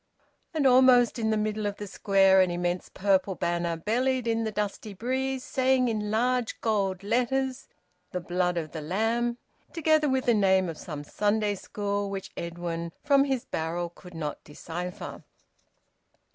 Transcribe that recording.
And almost in the middle of the Square an immense purple banner bellied in the dusty breeze, saying in large gold letters, "The Blood of the Lamb," together with the name of some Sunday school, which Edwin from his barrel could not decipher.